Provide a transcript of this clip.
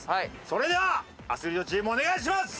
それではアスリートチームお願いします！